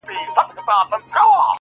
پرتكه سپينه پاڼه وڅڅېدې ـ